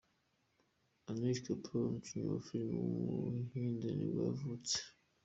Anil Kapoor, umukinnyi wa filime w’umuhinde nibwo yavutse.